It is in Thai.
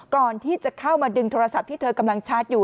ก่อนที่จะเข้ามาดึงโทรศัพท์ที่เธอกำลังชาร์จอยู่